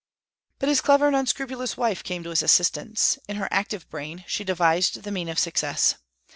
But his clever and unscrupulous wife came to his assistance. In her active brain she devised the means of success.